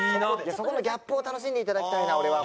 そこのギャップを楽しんで頂きたいな俺は。